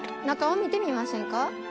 中を見てみませんか？